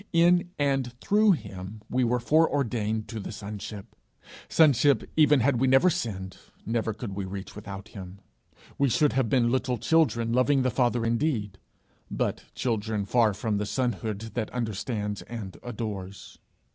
In and through him we were foreordained to the sonship: sonship, even had we never sinned, never could we reach without him. We should have been little children loving the Father indeed, but children far from the sonhood that understands and adores.